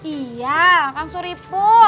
iya kang suripu